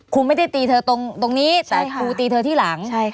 ครูไม่ได้ตีเธอตรงนี้แต่ครูตีเธอที่หลัง